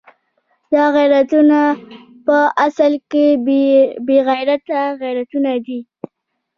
دا غیرتونه په اصل کې بې غیرته غیرتونه دي.